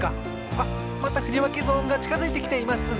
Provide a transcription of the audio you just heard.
あっまたふりわけゾーンがちかづいてきています。